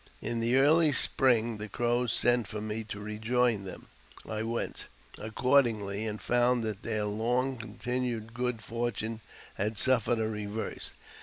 In the early spring the Crows sent for me to rejoin them. I went^ accordingly, and found that their long continued good fortune had suffered a reverse.